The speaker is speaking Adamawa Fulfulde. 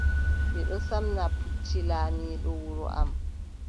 Mi ɗon samna pucci laamiiɗo wuro am.